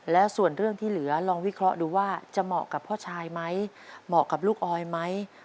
แล้วส่วนเรื่องที่เหลือลองวิเคราะห์ดูว่าจะเหมาะกับพ่อชายไหมเหมาะกับลูกออยไหม